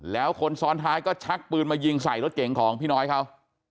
แล้วคนซ้อนท้ายก็ชักปืนมายิงใส่รถเก่งของพี่น้อยเขา